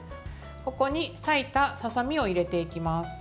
ここに裂いたささみを入れていきます。